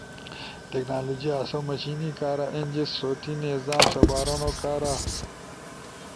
ٹیکنالوجی آسو مشینی کارا، اینجے سوتی نظام سپارونو کارا